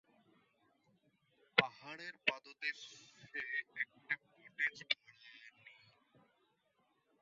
পাহাড়ের পাদদেশে একটা কটেজ ভাড়া নিই।